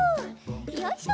よいしょ。